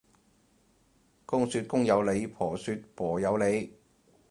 公說公有理，婆說婆有理